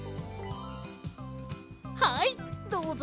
はいどうぞ。